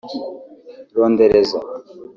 rondereza